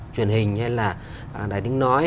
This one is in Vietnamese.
truyền hình hay là đại tính nói